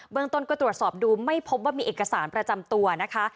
เมืองต้นก็ตรวจสอบดูไม่พบว่ามีเอกสารประจำตัวนะคะ